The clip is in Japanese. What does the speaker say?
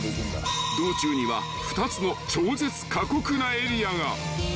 ［道中には２つの超絶過酷なエリアが］